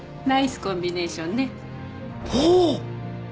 ナイスコンビネーションね。